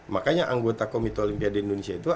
makanya anggota komite olympia di indonesia itu